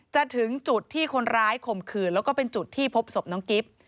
ถึงจุดที่คนร้ายข่มขืนแล้วก็เป็นจุดที่พบศพน้องกิฟต์